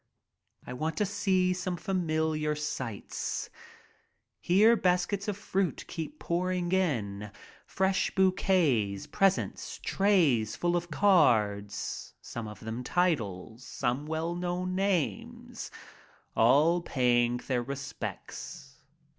I want to see some familiar sights. Here baskets of fruit keep pouring in, fresh bouquets, presents, trays full of cards, some of them titles, some well known names — all paying their respects.